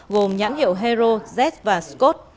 gồm nhãn hiệu hero z và scott